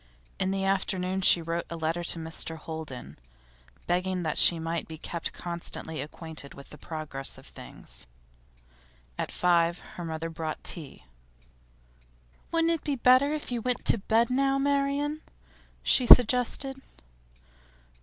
In the afternoon she wrote a letter to Mr Holden, begging that she might be kept constantly acquainted with the progress of things. At five her mother brought tea. 'Wouldn't it be better if you went to bed now, Marian?' she suggested.